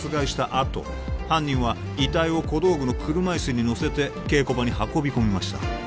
あと犯人は遺体を小道具の車いすに乗せて稽古場に運び込みました